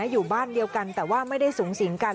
อยู่บ้านเดียวกันแต่ว่าไม่ได้สูงสิงกัน